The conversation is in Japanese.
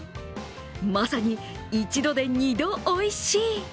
まさに一度で二度おいしい。